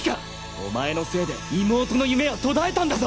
お前のせいで妹の夢は途絶えたんだぞ！